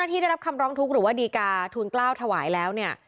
ที่ได้รับคำร้องทุกข์หรือว่าดีการ์ทูลกล้าวถวายแล้วเนี่ย